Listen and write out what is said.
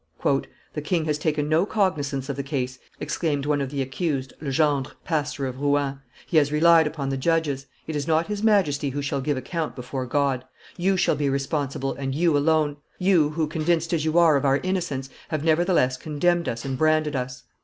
"The king has taken no cognizance of the case," exclaimed one of the accused, Legendre, pastor of Rouen; "he has relied upon the judges; it is not his Majesty who shall give account before God; you shall be responsible, and you alone; you who, convinced as you are of our innocence, have nevertheless condemned us and branded us."